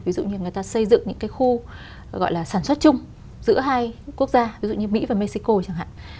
ví dụ như người ta xây dựng những cái khu gọi là sản xuất chung giữa hai quốc gia ví dụ như mỹ và mexico chẳng hạn